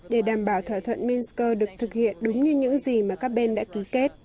để đảm bảo thỏa thuận minsk được thực hiện đúng như những gì mà các bên đã ký kết